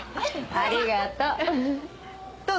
ありがとう。